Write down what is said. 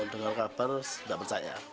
dengan kabar tidak percaya